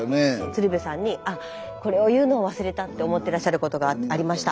鶴瓶さんに「あこれを言うのを忘れた」って思ってらっしゃることがありました。